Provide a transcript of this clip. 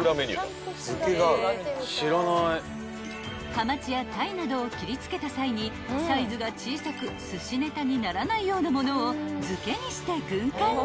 ［はまちや鯛などを切り付けた際にサイズが小さく寿司ネタにならないようなものを漬けにして軍艦に］